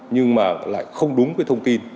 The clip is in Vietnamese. nhưng mà lại không đúng cái thông tin